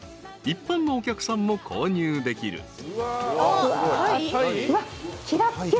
［一般のお客さんも購入できる］